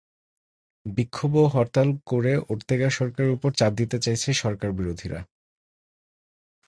বিক্ষোভ ও হরতাল করে ওর্তেগা সরকারের ওপর চাপ দিতে চাইছে সরকারবিরোধীরা।